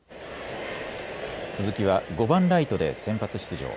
鈴木は５番・ライトで先発出場。